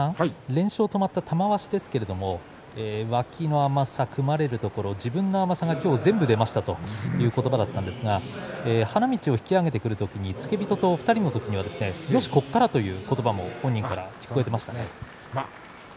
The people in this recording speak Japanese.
連勝が止まった玉鷲ですけれども脇の甘さ、組まれるところ自分の甘さが今日全部出ましたという言葉だったんですが花道を引き揚げてくる時に付け人と２人の時にはよしここから、という言葉が本人から聞こえていますね。